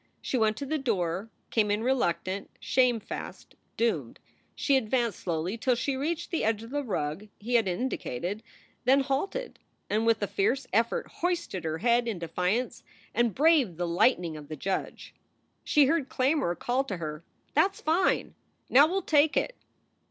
She went to the door, came in reluctant, shamefast, doomed. She advanced slowly till she reached the edge of the rug he had indicated, then halted, and with a fierce effort hoisted her head in defiance and braved the lightning of the judge. She heard Claymore call to her: "That s fine! Now we ll take it!"